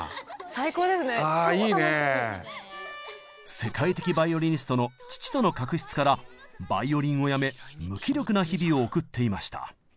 世界的バイオリニストの父との確執からバイオリンをやめ無気力な日々を送っていました。